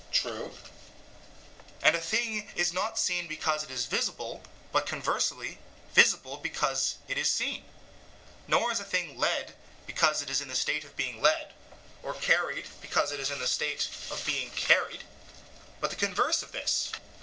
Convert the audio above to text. EUTHYPHRO: True. SOCRATES: And a thing is not seen because it is visible, but conversely, visible because it is seen; nor is a thing led because it is in the state of being led, or carried because it is in the state of being carried, but the converse of this.